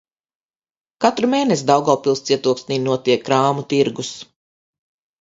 Katru mēnesi Daugavpils cietoksnī notiek krāmu tirgus.